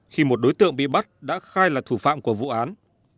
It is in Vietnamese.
khi một đối tượng bị bắt đã khai là thủ phạm của vụ án